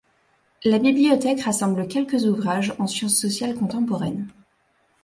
La bibliothèque rassemble quelque ouvrages en sciences sociales contemporaines.